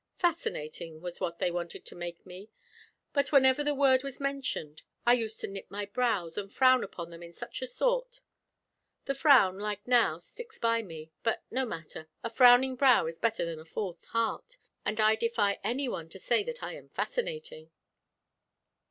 Fascinating was what they wanted to make me; but whenever the word was mentioned, I used to knit my brows, and frown upon them in such a sort. The frown, like now, sticks by me; but no matter a frowning brow is better than a false heart, and I defy anyone to say that I am fascinating."